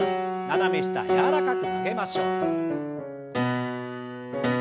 斜め下柔らかく曲げましょう。